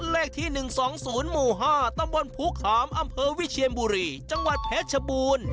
เลขที่๑๒๐หมู่๕ตำบลภูขามอำเภอวิเชียนบุรีจังหวัดเพชรชบูรณ์